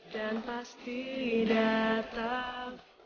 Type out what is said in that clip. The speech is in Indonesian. dan pasti datang